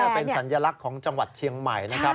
เป็นสัญลักษณ์ของจังหวัดเชียงใหม่นะครับ